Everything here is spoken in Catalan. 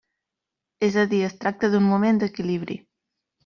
És a dir, es tracta d'un moment d'equilibri.